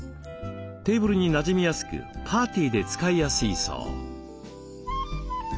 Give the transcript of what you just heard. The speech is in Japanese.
テーブルになじみやすくパーティーで使いやすいそう。